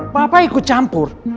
papa ikut campur